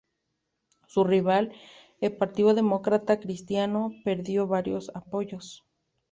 Su rival, el Partido Demócrata Cristiano, perdió varios apoyos.